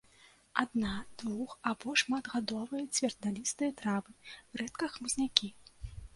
Адна-, двух- або шматгадовыя цвердалістыя травы, рэдка хмызнякі.